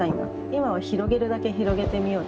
今は広げるだけ広げてみよう。